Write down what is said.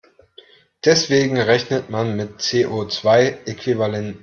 Deswegen rechnet man mit CO-zwei-Äquivalenten.